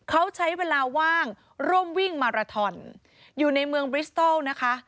เขาใช้เวลาว่างร่วมวิ่งมาราทอนอยู่ในเมืองบริสตอลนะคะ